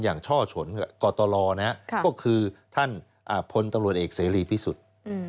ช่อฉนกตลก็คือท่านพลตำรวจเอกเสรีพิสุทธิ์